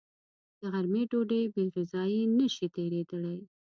د غرمې ډوډۍ بېغذايي نشي تېرېدلی